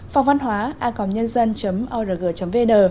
phòng văn hóa a com nhân dân org vn